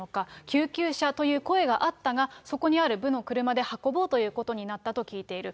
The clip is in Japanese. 救急車という声があったが、そこにある部の車で運ぼうということになったと聞いている。